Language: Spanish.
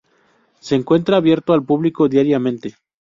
Se encuentra abierto al público diariamente.